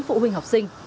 phụ huynh học sinh